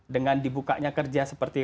dengan dibukanya kerja seperti